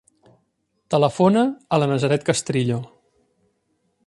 Telefona a la Nazaret Castrillo.